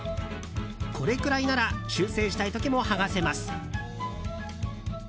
これくらいなら修正したい時も剥がせます。